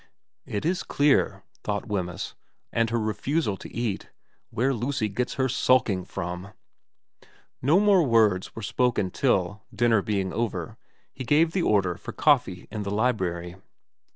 * It is clear,' thought Wemyss, observing her silence and her refusal to eat, ' where Lucy gets her sulking from.' No more words were spoken till, dinner being over, he gave the order for coffee in the library.